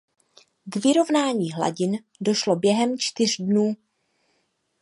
K vyrovnání hladin došlo během čtyř dnů.